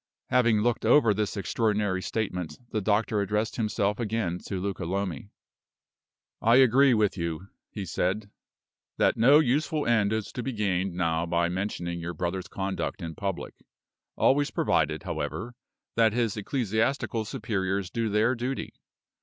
Having looked over this extraordinary statement, the doctor addressed himself again to Luca Lomi. "I agree with you," he said, "that no useful end is to be gained now by mentioning your brother's conduct in public always provided, however, that his ecclesiastical superiors do their duty.